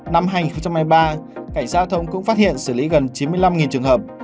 năm hai nghìn hai mươi ba cảnh giao thông cũng phát hiện xử lý gần chín mươi năm trường hợp